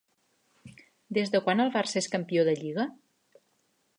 Des de quan el Barça és campió de lliga?